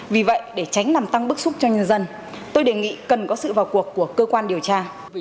vì vậy để tránh làm tăng bức xúc cho nhân dân tôi đề nghị cần có sự vào cuộc của cơ quan điều tra